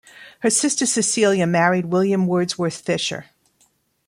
Her sister Cecilia married William Wordsworth Fisher.